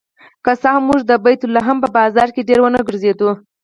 که څه هم موږ د بیت لحم په بازار کې ډېر ونه ګرځېدو.